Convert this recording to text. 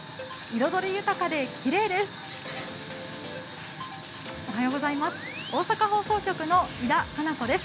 彩り豊かできれいです。